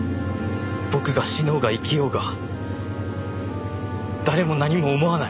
僕が死のうが生きようが誰も何も思わない。